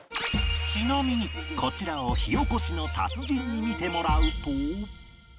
ちなみにこちらを火おこしの達人に見てもらうと